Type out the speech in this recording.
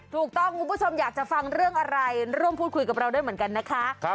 คุณผู้ชมอยากจะฟังเรื่องอะไรร่วมพูดคุยกับเราด้วยเหมือนกันนะคะ